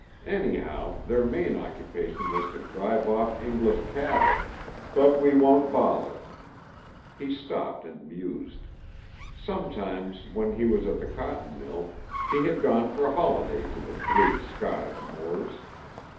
Anyhow, their main occupation was to drive off English cattle, but we won't bother " He stopped and mused. Sometimes, when he was at the cotton mill, he had gone for a holiday to the bleak Scottish moors.